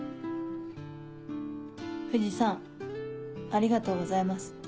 藤さんありがとうございます。